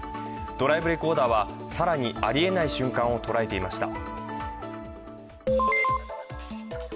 ドライブレコーダーは更にありえない瞬間を捉えていました。